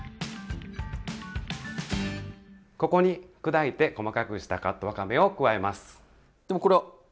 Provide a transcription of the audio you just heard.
ここに砕いて細かくしたカットわかめを加えます。